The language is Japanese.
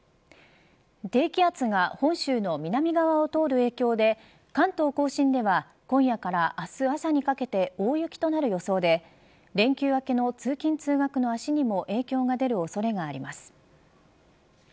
低気圧が本州の南側を通る影響で関東甲信では今夜から明日朝にかけて大雪となる予想で連休明けの通勤、通学の足にも影響が出る恐れがあります。